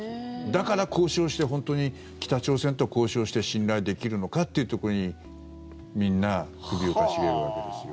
だから交渉して本当に北朝鮮と交渉して信頼できるのかっていうところにみんな首を傾げるわけですよ。